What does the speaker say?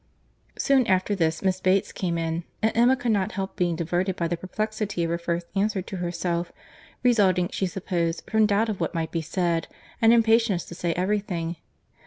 Soon after this Miss Bates came in, and Emma could not help being diverted by the perplexity of her first answer to herself, resulting, she supposed, from doubt of what might be said, and impatience to say every thing.